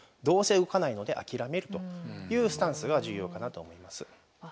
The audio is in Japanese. どうせ動かないので諦めるというスタンスが重要かなと思います。